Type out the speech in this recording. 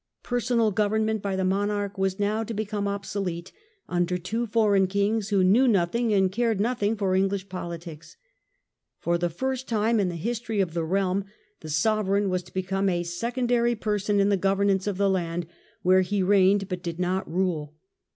Personal govern ment by the monarch w^as now to become obsolete, under two foreign kings who knew nothing and cared nothing for English politics. For the first time in the history of the realm the sovereign was to become a secondary person in the governance of the land where he reigned but did not rule.